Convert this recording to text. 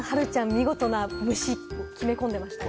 見事な無視を決め込んでいましたね。